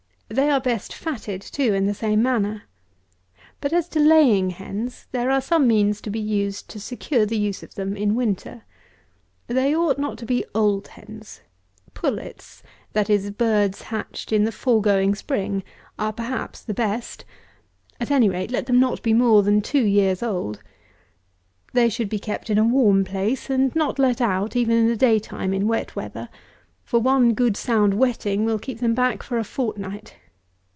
They are best fatted, too, in the same manner. But, as to laying hens, there are some means to be used to secure the use of them in winter. They ought not to be old hens. Pullets, that is, birds hatched in the foregoing spring, are, perhaps, the best. At any rate, let them not be more than two years old. They should be kept in a warm place, and not let out, even in the day time, in wet weather; for one good sound wetting will keep them back for a fortnight.